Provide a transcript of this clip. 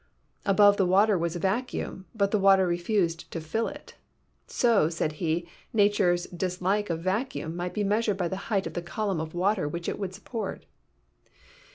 Above the water was a vacuum, but the water refused to fill it. So, said he, Nature's dislike of a vacuum might be measured by the height of the column of water which it would support.